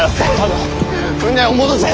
舟を戻せ。